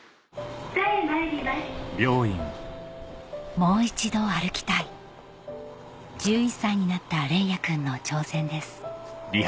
もう一度歩きたい１１歳になった連也君の挑戦です